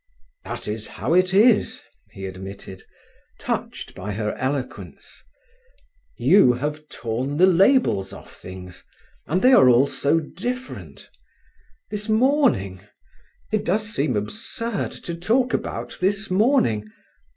"That is how it is," he admitted, touched by her eloquence. "You have torn the labels off things, and they all are so different. This morning! It does seem absurd to talk about this morning.